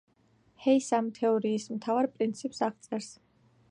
ჰეის ამ თეორიის მთავარ პრინციპს აღწერს.